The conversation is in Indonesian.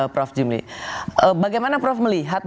prof jimli bagaimana prof melihat